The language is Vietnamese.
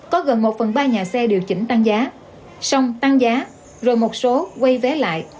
có gần một phần ba nhà xe điều chỉnh tăng giá xong tăng giá rồi một số quay vé lại